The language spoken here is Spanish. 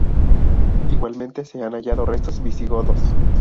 Igualmente se han hallado restos visigodos.